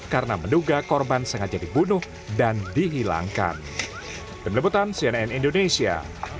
karena menduga korban sengaja dibunuh dan dihilangkan penebutan cnn indonesia